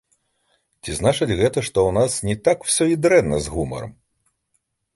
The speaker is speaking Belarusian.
Ці значыць гэта, што ў нас не ўсё так і дрэнна з гумарам?